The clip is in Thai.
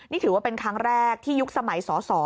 นี่ถือว่าเป็นครั้งแรกที่ยุคสมัยสอสอ